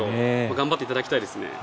頑張っていただきたいですね。